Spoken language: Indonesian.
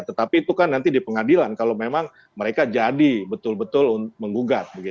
tetapi itu kan nanti di pengadilan kalau memang mereka jadi betul betul menggugat